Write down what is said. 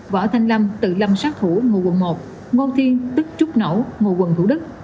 võ thanh lâm tự lâm sát thủ nguồn một ngô thiên tức trúc nổ nguồn thủ đức